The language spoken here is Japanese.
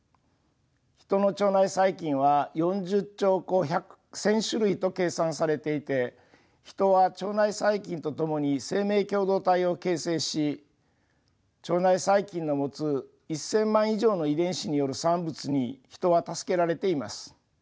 ヒトの腸内細菌は４０兆個１，０００種類と計算されていてヒトは腸内細菌と共に生命共同体を形成し腸内細菌の持つ１，０００万以上の遺伝子による産物にヒトは助けられています。